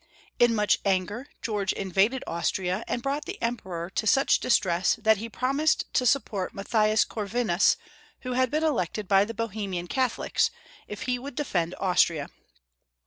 In much anger, George invaded Austria, and brought the Emperor to such distress that he prom ised to support Matthias Corvinus, who had been elected by the Bohemian Catholics, if he would de fend Austria.